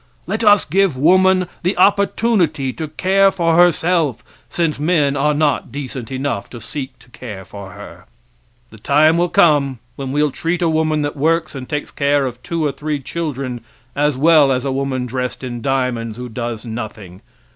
Let us give woman the opportunity to care for herself, since men are not decent enough to seek to care for her. The time will come when we'll treat a woman that works and takes care of two or three children as well as a woman dressed in diamonds who does nothing.